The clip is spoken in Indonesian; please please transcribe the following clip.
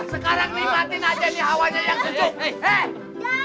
sekarang nih matiin aja nih hawanya yang sejuk